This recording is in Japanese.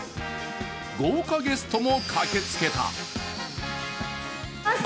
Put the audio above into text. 豪華ゲストも駆けつけた。